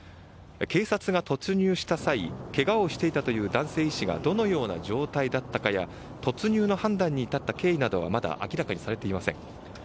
警察が突入した際ケガをしていたという男性医師がどのような状態だったかや突入の判断に至った経緯などはまだ明らかにされていません。